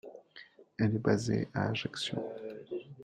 Elle est basée à Ajaccio.